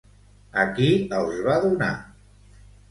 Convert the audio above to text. A qui els va donar?